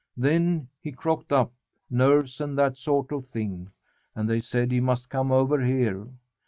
Then he crocked up, nerves and that sort of thing. And they said he must come over here.